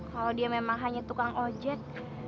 kalo dia memang hanya tukang ojet